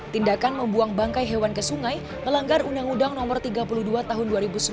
tindakan membuang bangkai hewan ke sungai melanggar undang undang no tiga puluh dua tahun dua ribu sembilan